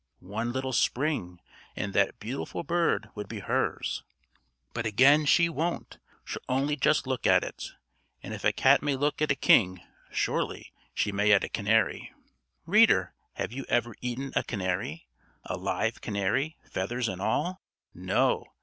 One little spring, and that beautiful bird would be hers. But again she won't, she'll only just look at it; and if a cat may look at a king, surely, she may at a canary. Reader, have you ever eaten a canary? A live canary, feathers and all? No!